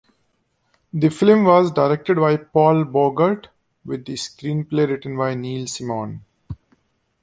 The film was directed by Paul Bogart with the screenplay written by Neil Simon.